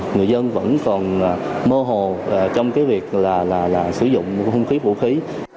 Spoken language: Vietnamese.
người dân vẫn còn mơ hồ trong cái việc là sử dụng hung khí vũ khí